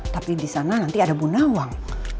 tapi disana nanti ada bu nawang